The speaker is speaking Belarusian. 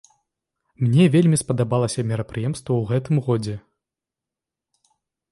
Мне вельмі спадабалася мерапрыемства ў гэтым годзе.